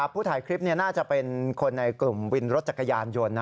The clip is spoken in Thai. ผู้ถ่ายคลิปน่าจะเป็นคนในกลุ่มวินรถจักรยานยนต์